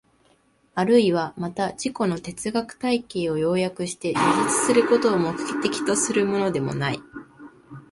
あるいはまた自己の哲学体系を要約して叙述することを目的とするものでもない。